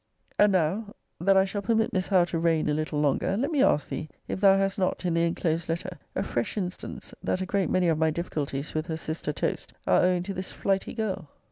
And now, that I shall permit Miss Howe to reign a little longer, let me ask thee, if thou hast not, in the enclosed letter, a fresh instance, that a great many of my difficulties with her sister toast are owing to this flighty girl?